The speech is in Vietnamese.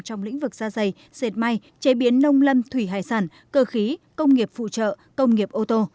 trong lĩnh vực da dày dệt may chế biến nông lâm thủy hải sản cơ khí công nghiệp phụ trợ công nghiệp ô tô